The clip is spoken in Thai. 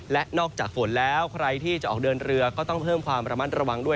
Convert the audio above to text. และนอกจากฝนแล้วใครที่จะออกเดินเรือก็ต้องเพิ่มความระมัดระวังด้วย